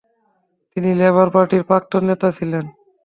তিনি লেবার পার্টির প্রাক্তন নেতা ছিলেন।